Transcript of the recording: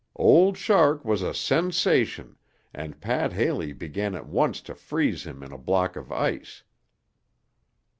Old Shark was a sensation and Pat Haley began at once to freeze him in a block of ice.